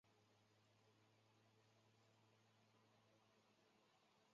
隶属俄罗斯联邦西北部联邦管区阿尔汉格尔斯克州涅涅茨自治区。